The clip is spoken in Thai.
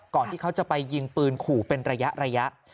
ที่เขาจะไปยิงปืนขู่เป็นระยะ